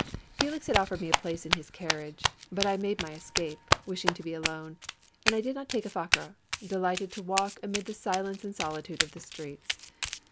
Felix had offered me a place in his carriage. But I made my escape, wishing to be alone ; and I did not take a fiacre, delighted to walk amid the silence and solitude of the streets.